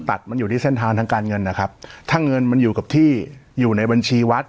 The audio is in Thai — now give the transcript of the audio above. ตัดมันอยู่ที่เส้นทางทางการเงินนะครับถ้าเงินมันอยู่กับที่อยู่ในบัญชีวัด